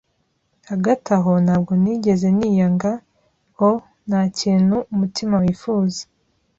hagati aho, ntabwo nigeze niyanga o 'nta kintu umutima wifuza,